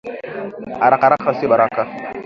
Araka araka sio baraka